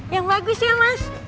yang bagus ya mas